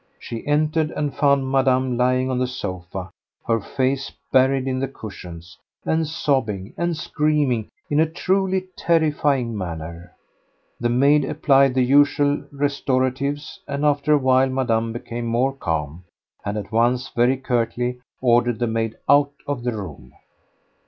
She entered and found Madame lying on the sofa, her face buried in the cushions, and sobbing and screaming in a truly terrifying manner. The maid applied the usual restoratives, and after a while Madame became more calm and at once very curtly ordered the maid out of the room.